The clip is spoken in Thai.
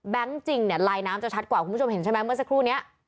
จริงเนี่ยลายน้ำจะชัดกว่าคุณผู้ชมเห็นใช่ไหมเมื่อสักครู่นี้